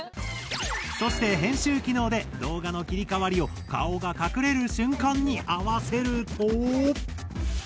そして編集機能で動画の切り替わりを顔が隠れる瞬間に合わせると。